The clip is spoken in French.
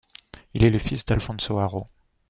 Il est le fils d'Alfonso Arau.